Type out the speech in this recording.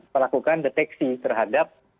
melakukan deteksi terhadap